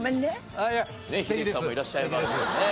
英樹さんもいらっしゃいますんでね。